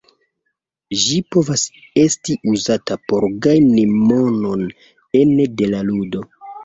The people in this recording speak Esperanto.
Ĝi povas esti uzita por gajni monon ene de la ludo.